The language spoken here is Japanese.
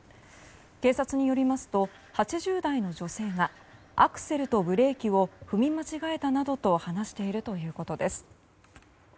警察によりますと８０代の女性がアクセルとブレーキを踏み間違えたなどと話しているということです。